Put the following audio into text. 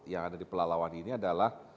yang ada di pelalawan ini adalah